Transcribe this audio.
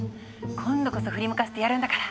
今度こそ振り向かせてやるんだから！